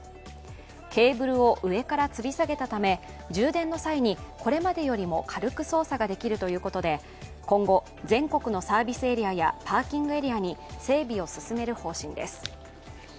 ケーブルを上からつり下げたため充電の際にこれまでよりも軽く操作ができるということで今後、全国のサービスエリアやパーキングエリアに整備を進める方針です。